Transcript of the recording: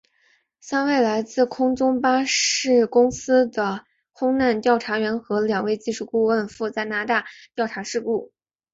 三位来自空中巴士公司的空难调查员和两位技术顾问赴加拿大调查事故。